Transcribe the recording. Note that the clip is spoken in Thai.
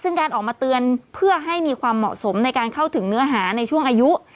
ซึ่งการออกมาเตือนเพื่อให้มีความเหมาะสมในการเข้าถึงเนื้อหาในช่วงอายุ